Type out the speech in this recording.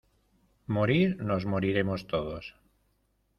morir nos moriremos todos.